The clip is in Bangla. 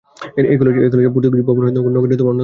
এই কলেজের পর্তুগিজ ভবন নগরীর অন্যতম প্রাচীন স্থাপনা।